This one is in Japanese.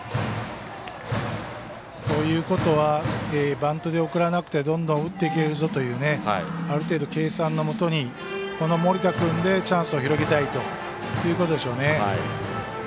バントで送らなくてどんどん打っていけるぞというある程度、計算のもとに森田君でチャンスを広げたいということでしょうね。